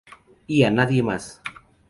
Y a nadie más".